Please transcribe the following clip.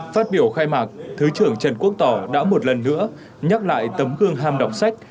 phát biểu khai mạc thứ trưởng trần quốc tỏ đã một lần nữa nhắc lại tấm gương ham đọc sách